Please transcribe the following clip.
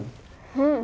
うん。